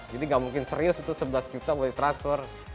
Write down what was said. jadi gak mungkin serius itu rp sebelas juta boleh transfer